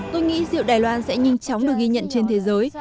tôi nghĩ rượu đài loan sẽ nhanh chóng được ghi nhận trên thế giới